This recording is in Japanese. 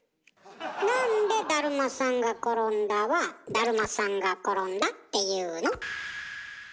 なんで「だるまさんがころんだ」は「だるまさんがころんだ」っていうの？